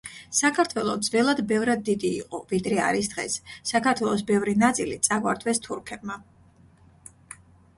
საქართველო ძველად ბევრად დიდი იყო, ვიდრე არის დღეს, საქართველოს ბევრი ნაწილი წაგვართვეს თურქებმა.